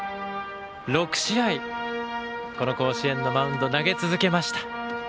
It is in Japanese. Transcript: ６試合、甲子園のマウンド投げ続けました。